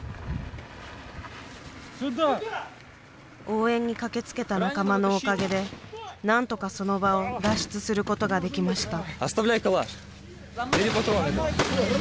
応援に駆けつけた仲間のおかげで何とかその場を脱出することができました。